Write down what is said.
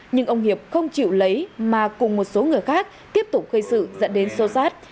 nhưng ông hiệp không chịu lấy mà cùng một số người khác tiếp tục gây sự dẫn đến sô sát